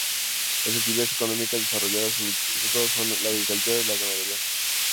Las actividades económicas desarrolladas en el distrito son la agricultura y la ganadería.